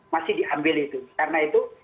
masih diambil itu karena itu